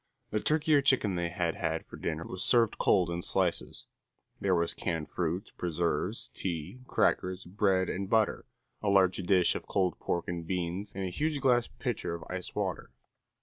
The turkey or chicken they had had for dinner was served cold in slices; there was canned fruit, preserves, tea, crackers, bread and butter, a large dish of cold pork and beans, and a huge glass pitcher of ice water.